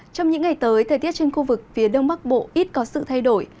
trong những ngày tới thời tiết trên khu vực phía đông bắc bộ ít có sự thay đổi